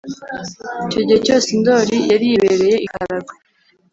icyo gihe cyose ndoli yari yibereye i karagwe,